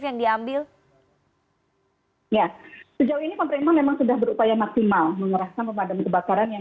yang diambil ya sejauh ini pemerintah memang sudah berupaya maksimal mengerahkan pemadam kebakaran yang